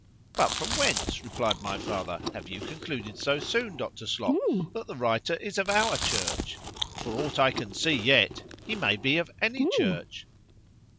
But from whence, replied my father, have you concluded so soon, Dr. Slop, that the writer is of our church?—for aught I can see yet,—he may be of any church.